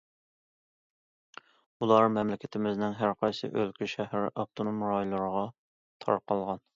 ئۇلار مەملىكىتىمىزنىڭ ھەرقايسى ئۆلكە، شەھەر، ئاپتونوم رايونلىرىغا تارقالغان.